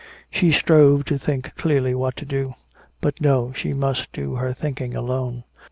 She strove to think clearly what to do. But no, she must do her thinking alone.